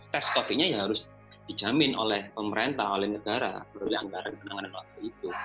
tes covid sembilan belas harus dijamin oleh pemerintah oleh negara berulang ulang penanganan waktu itu